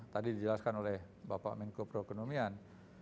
tadi dijelaskan oleh bapak menko perekonomian